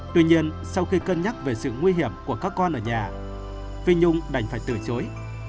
tuy nhiên sau khi cân nhắc về sự nguy hiểm của các con ở nhà phi nhung đành phải từ chối